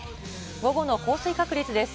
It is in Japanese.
午後の降水確率です。